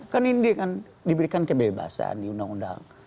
kan ini kan diberikan kebebasan di undang undang